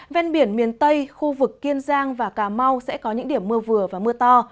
ven biển miền tây khu vực kiên giang và cà mau sẽ có những điểm mưa vừa và mưa to